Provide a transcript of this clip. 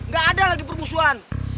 gak ada lagi permusuhan